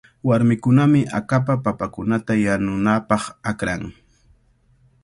Warmikunami akapa papakunata yanunapaq akran.